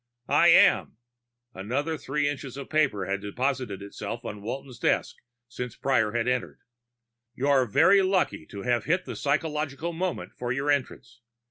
"I am." Another three inches of paper had deposited itself on Walton's desk since Prior had entered. "You're very lucky to have hit the psychological moment for your entrance.